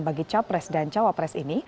bagi capres dan cawapres ini